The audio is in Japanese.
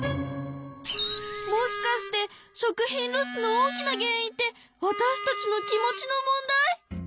もしかして食品ロスの大きな原因ってわたしたちの気持ちの問題？